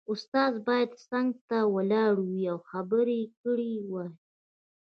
استاد باید څنګ ته ولاړ وای او خبرې یې کړې وای